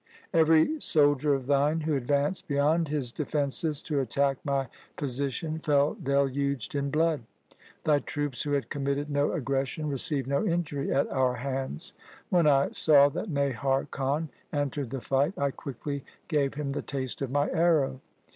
Every soldier of thine who advanced beyond his defences to attack my position, fell deluged in blood. Thy troops who had committed no aggression received no injury at our hands. When I saw that Nahar Khan entered the fight, I quickly gave him the taste of my arrow.